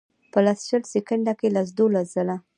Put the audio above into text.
پۀ لس شل سیکنډه کښې لس دولس ځله